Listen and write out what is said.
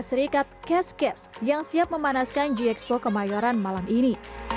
amerika serikat kes kes yang siap memanaskan gx empat kemayoran malam ini